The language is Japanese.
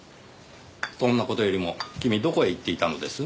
そんな事よりも君どこへ行っていたのです？